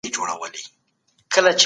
د کاغذ په رنګ کې هم حقیقت پټ وي.